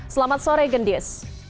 selamat sore gendis